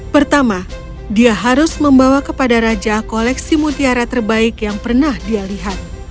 pertama dia harus membawa kepada raja koleksi mutiara terbaik yang pernah dia lihat